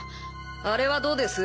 あれはどうです？